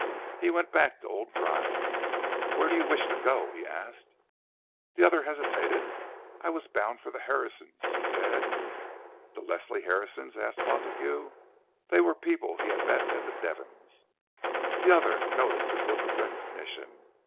He went back to old Grimes. "Where do you wish to go?" he asked. The other hesitated. "I was bound for the Harrisons'—" he said. "The Leslie Harrisons?" asked Montague. (They were people he had met at the Devons'.) The other noticed his look of recognition.